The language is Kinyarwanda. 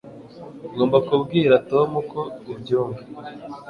ugomba kubwira tom uko ubyumva